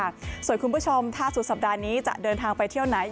คุณผู้ชมถ้าสุดสัปดาห์นี้จะเดินทางไปเที่ยวไหน